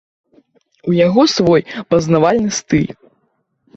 У яго свой пазнавальны стыль.